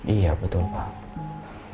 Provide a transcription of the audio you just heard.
iya betul pak